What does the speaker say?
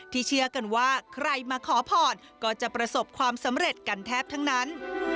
เชื่อกันว่าใครมาขอพรก็จะประสบความสำเร็จกันแทบทั้งนั้น